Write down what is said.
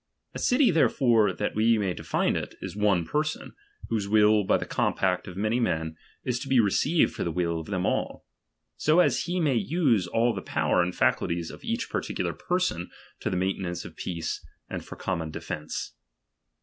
A city therefore, (that we may define it), is one person, whose will, by the compact of many men, is to be received for the ■will of them all; so as he may use all the power and faculties of each particular person to the maintenance of peace, and for common defence.